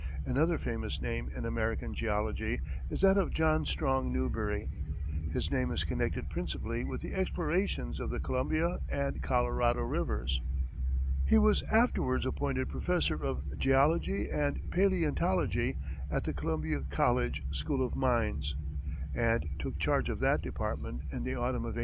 Another famous name in American geology is that of John Strong Newberry. His name is connected principally with the explorations of the Columbia and Colorado rivers. He was afterwards appointed professor of geology and paleontology at the Columbia College School of Mines, and took charge of that department in the autumn of 1866.